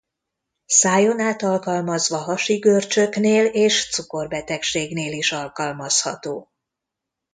Szájon át alkalmazva hasi görcsöknél és cukorbetegségnél is alkalmazható.